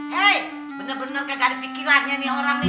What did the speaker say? hei bener bener kagak dipikirannya nih orang nih